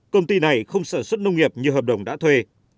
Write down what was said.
công ty này không sản xuất nông nghiệp như hợp đồng đã thuê